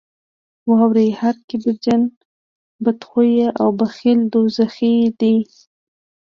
واورئ هر کبرجن، بدخویه او بخیل دوزخي دي.